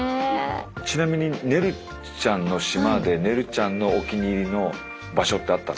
ちなみにねるちゃんの島でねるちゃんのお気に入り場所ってあったの？